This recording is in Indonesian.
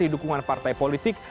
masih dukungan partai politik